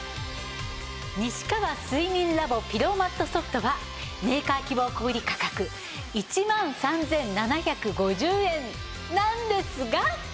西川睡眠ＬａｂｏピローマットＳｏｆｔはメーカー希望小売価格１万３７５０円なんですが。